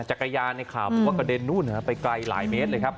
จักรยานในข่าวก็กระเด็นนู่นนะฮะไปไกลหลายเมตรเลยครับ